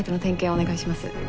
お願いします。